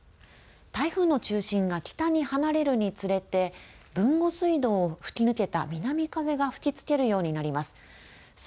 台風の中心が北に離れるにつれて豊後水道を吹き抜けた南風が吹きつけるようになります。